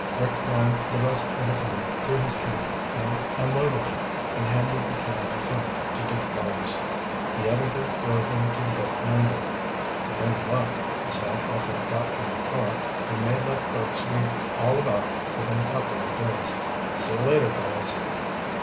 Rick ran the rest of the film through his camera, unloaded it, and handed the can of film to Duke Barrows. The editor drove them to the boat landing. "With any luck," he said as they got from the car, "we may let folks read all about it within a couple of days. See you later, fellows."